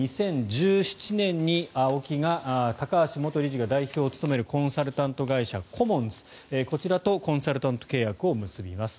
２０１７年にＡＯＫＩが高橋元理事が代表を務めるコンサルタント会社、コモンズこちらとコンサルタント契約を結びます。